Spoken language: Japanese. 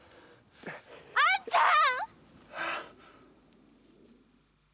「あんちゃん！」